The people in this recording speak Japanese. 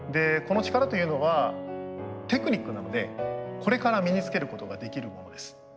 この力というのはテクニックなのでこれから身につけることができるものです。